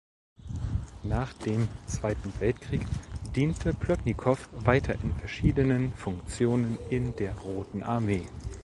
Nach dem Zweiten Weltkrieg diente Plotnikow weiter in verschiedenen Funktionen in der Roten Armee.